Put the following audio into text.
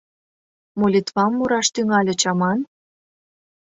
Молитвам мураш тӱҥальыч аман?